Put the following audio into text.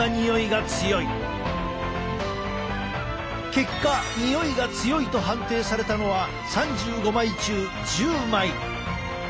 結果においが強いと判定されたのは３５枚中１０枚。